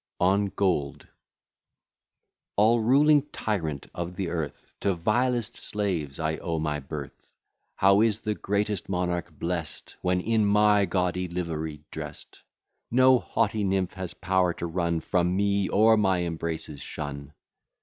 ON GOLD All ruling tyrant of the earth, To vilest slaves I owe my birth, How is the greatest monarch blest, When in my gaudy livery drest! No haughty nymph has power to run From me; or my embraces shun.